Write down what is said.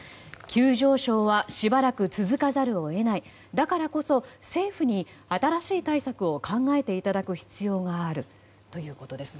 急上昇はしばらく続かざるを得ないだからこそ、政府に新しい対策を考えていただく必要があるということです。